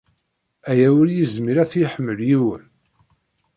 Aya ur yezmir ad t-yeḥmel yiwen!